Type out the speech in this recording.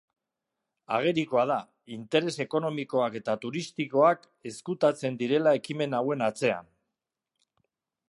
Agerikoa da, interes ekonomikoak eta turistikoak ezkutatzen direla ekimen hauen atzean.